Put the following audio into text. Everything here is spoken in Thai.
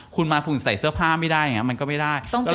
คุณมาคุณใส่เสื้อผ้าไม่ได้อย่างนี้มันก็ไม่ได้ต้องเตรียมของ